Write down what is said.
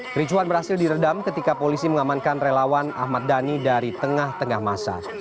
kericuhan berhasil diredam ketika polisi mengamankan relawan ahmad dhani dari tengah tengah masa